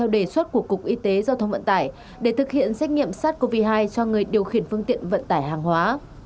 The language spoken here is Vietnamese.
đề xuất của cục y tế giao thông vận tải để thực hiện xét nghiệm sars cov hai cho người điều khiển phương tiện vận tải hàng hóa